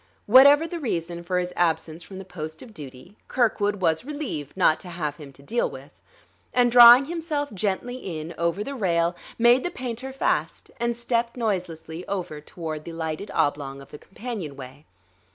Whatever the reason for his absence from the post of duty, Kirkwood was relieved not to have him to deal with; and drawing himself gently in over the rail, made the painter fast, and stepped noiselessly over toward the lighted oblong of the companionway.